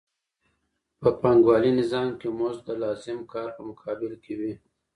په پانګوالي نظام کې مزد د لازم کار په مقابل کې وي